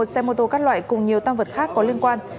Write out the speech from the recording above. một mươi một xe mô tô các loại cùng nhiều tăng vật khác có liên quan